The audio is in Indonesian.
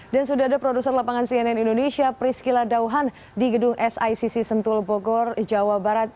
dan sudah ada produser lapangan cnn indonesia priscila dauhan di gedung sicc sentul bogor jawa barat